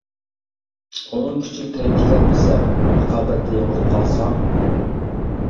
ئۇنىڭ كۈچىگە تەڭ كېلەلمىسەم رىقابەتتە يېڭىلىپ قالسام.